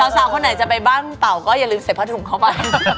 สาวคนไหนจะไปบ้านเต่าก็อย่าลืมใส่ผ้าถุงเข้าบ้าน